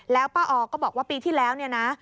แล้วป้าออก็บอกว่าปีที่แล้วเนี่ยนะ